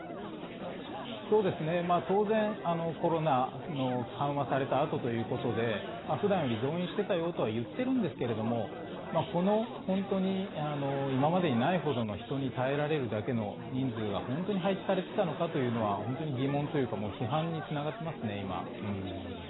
当然、コロナの緩和されたあとということで普段より増員してたよとは言っているんですけどこの今までにないほどの人に耐えられるだけの人数が本当に配置されていたのかというのは本当に疑問というか今、批判につながっていますね。